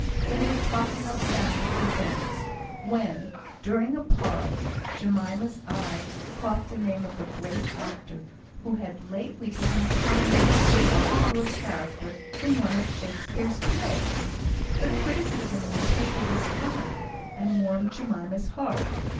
They were talking of family events, when, during a pause, Jemima's eye caught the name of a great actor, who had lately given prominence and life to a character in one of Shakspeare's plays. The criticism in the paper was fine, and warmed Jemima's heart.